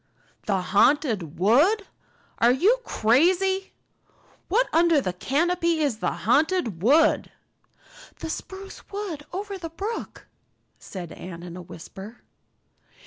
"The Haunted Wood! Are you crazy? What under the canopy is the Haunted Wood?" "The spruce wood over the brook," said Anne in a whisper.